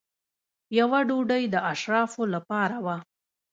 یوه ډوډۍ د اشرافو لپاره وه.